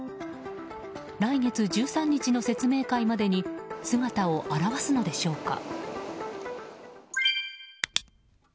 来月１３日の説明会までに姿を現すのでしょうか。